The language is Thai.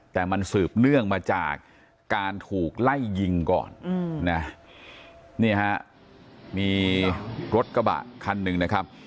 แต่มันสืบเนื่องมาจากการถูกไล่ยิงก่อนนะนี่ฮะมีรถกระบะคันหนึ่งนะครับ